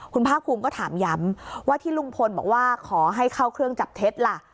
คุณภาคภูมิก็ถามย้ำว่าที่ลุงพลบอกว่าขอให้เข้าเครื่องจับเท็จล่ะ